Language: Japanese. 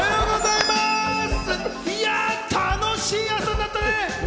いや、楽しい朝になったね。